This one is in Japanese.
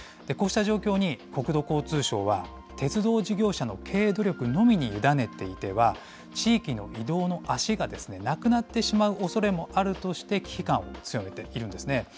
こうした状況に、国土交通省は、鉄道事業者の経営努力のみに委ねていては、地域の移動の足がなくなってしまうおそれもあるとして、危機感を強めているんですね。